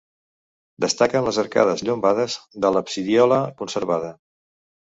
Destaquen les arcades llombardes de l'absidiola conservada.